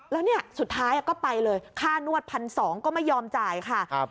แล้วเนี่ยสุดท้ายก็ไปเลยค่านวด๑๒๐๐ก็ไม่ยอมจ่ายค่ะ